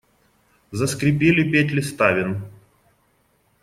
Заскрипели петли ставен.